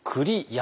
や！